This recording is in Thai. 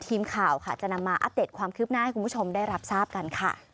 ทีมข่าวค่ะจะนำมาอัปเดตความคืบหน้าให้คุณผู้ชมได้รับทราบกันค่ะ